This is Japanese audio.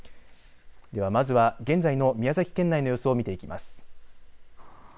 では、まずは現在の宮崎県内の様子を見ていきます。